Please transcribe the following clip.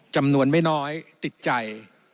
จำนวนไม่น้อยติดใจ